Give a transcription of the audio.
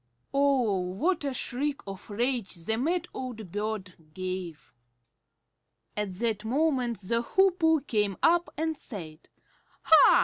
Oh, what a shriek of rage the mad old bird gave! At that moment the Hoopoe came up and said, "Ha!